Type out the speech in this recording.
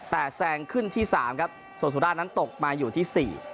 แต่แซงขึ้นที่สามครับส่วนสุราชนั้นตกมาอยู่ที่สี่